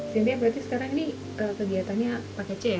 sekolah yang ia jalani secara online setahun terakhir ini sambil merawat sang ayah